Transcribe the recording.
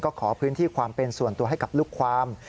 ก็ขอพื้นที่ความเป็นส่วนตัวให้กับลูกความ